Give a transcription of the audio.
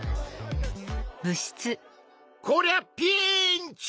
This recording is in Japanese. こりゃピンチ！